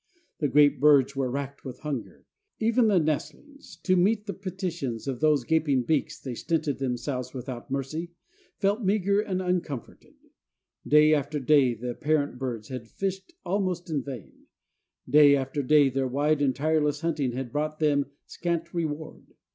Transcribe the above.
The great birds were racked with hunger. Even the nestlings, to meet the petitions of whose gaping beaks they stinted themselves without mercy, felt meagre and uncomforted. Day after day the parent birds had fished almost in vain; day after day their wide and tireless hunting had brought them scant reward.